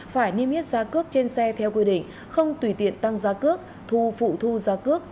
phải niêm yết giá cước trên xe theo quy định không tùy tiện tăng giá cước thu phụ thu giá cước